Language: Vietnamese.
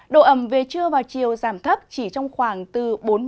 độ ẩm về trưa và chiều giảm thấp chỉ trong khoảng từ bốn mươi năm mươi